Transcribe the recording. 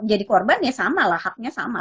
jadi korban ya sama lah haknya sama